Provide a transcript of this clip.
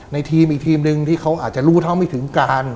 ทีมอีกทีมหนึ่งที่เขาอาจจะรู้เท่าไม่ถึงการ